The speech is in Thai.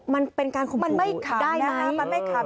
มันเป็นการคลุมพูได้มั้ย